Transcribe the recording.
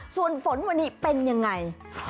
ส่วนฝนวันนี้เป็นยังไง